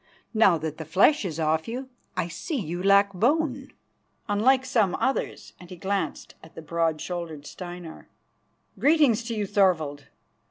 Now that the flesh is off you I see you lack bone, unlike some others," and he glanced at the broad shouldered Steinar. "Greeting to you, Thorvald.